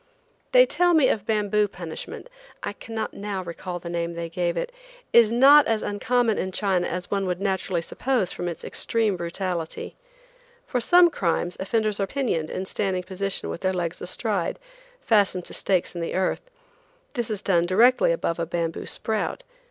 They tell me bamboo punishment (I cannot now recall the name they gave it) is not as uncommon in China as one would naturally suppose from its extreme brutality. For some crimes offenders are pinioned in standing position with their legs astride, fastened to stakes in the earth. This is done directly above a bamboo sprout.